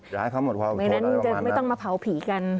อย่าให้เขาหมดความอดทนไม่ต้องมาเผาผีกัน